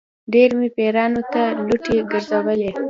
ډېر مې پیرانو ته لوټې ګرځولې.